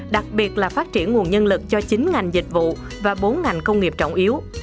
đặc biệt là phát triển nguồn nhân lực cho chín ngành dịch vụ và bốn ngành công nghiệp trọng yếu